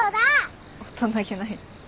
大人げない。